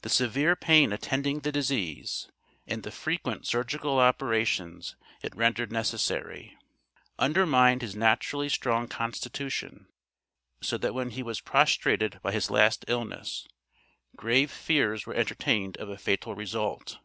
The severe pain attending the disease, and the frequent surgical operations it rendered necessary, undermined his naturally strong constitution, so that when he was prostrated by his last illness, grave fears were entertained of a fatal result.